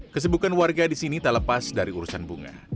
kesibukan warga di sini tak lepas dari urusan bunga